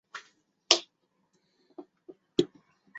但摄政和首相一直施行专制统治。